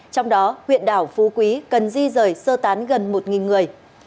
trong đó huyện đảo phú quý cần di rời sơ tán gần một người